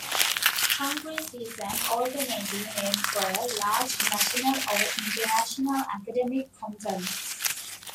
Congress is an alternative name for a large national or international academic conference.